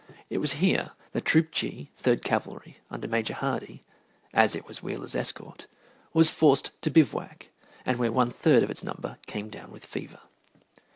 It was here that Troop G, Third Cavalry, under Major Hardee, as it was Wheeler's escort, was forced to bivouac, and where one third of its number came down with fever.